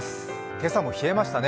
今朝も冷えましたね。